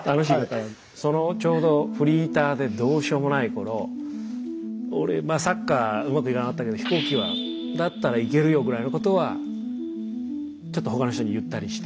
そのちょうどフリーターでどうしようもない頃俺サッカーうまくいかなかったけど飛行機だったらイケるよぐらいのことはちょっと他の人に言ったりして。